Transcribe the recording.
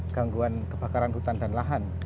gangguan kebakaran hutan dan lahan